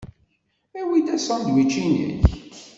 Awi-d asandwič-nnek.